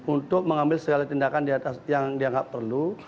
untuk mengambil segala tindakan yang dianggap perlu